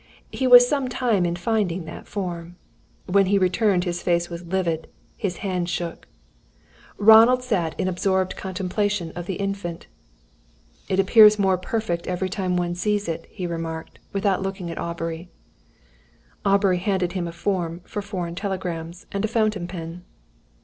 He was some time in finding that form. When he returned his face was livid, his hand shook. Ronald sat in absorbed contemplation of the Infant. "It appears more perfect every time one sees it," he remarked, without looking at Aubrey. Aubrey handed him a form for foreign telegrams, and a fountain pen.